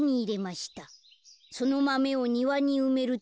そのマメをにわにうめると」。